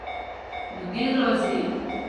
مدیر راځي؟